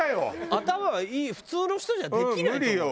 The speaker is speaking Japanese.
頭がいい普通の人じゃできないと思うよ。